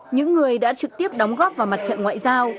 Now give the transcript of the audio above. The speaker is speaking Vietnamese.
những người đã trực tiếp đóng góp vào mặt trận ngoại giao